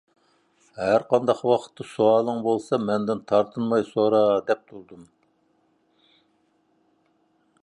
«ھەر قانداق ۋاقىتتا سوئالىڭ بولسا، مەندىن تارتىنماي سورا» دەپ تۇردۇم.